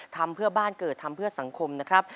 ทำเพื่อบ้านเกิดทำเพื่อสังคมนะครับ